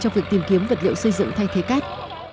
trong việc tìm kiếm vật liệu xây dựng thay thế cát